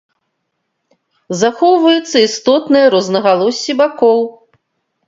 Захоўваюцца істотныя рознагалоссі бакоў.